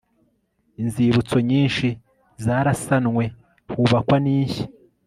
inzibutso nyinshi zarasanwe, hubakwa n'inshya